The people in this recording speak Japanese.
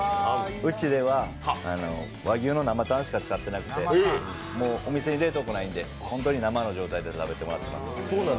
うちでは和牛の生タンしか使ってないんで、冷凍庫ないんで、本当に生の状態で食べてもらっています。